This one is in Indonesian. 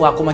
ya si mana